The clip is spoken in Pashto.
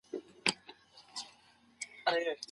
که اراده وي نو ماتې نه وي.